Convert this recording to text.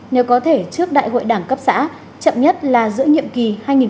nếu có thể trước đại hội đảng cấp xã chậm nhất là giữa nhiệm kỳ hai nghìn hai mươi hai nghìn hai mươi năm